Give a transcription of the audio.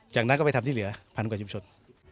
จากนั้นก็ไปทำที่เหลือพันกว่าชุมชน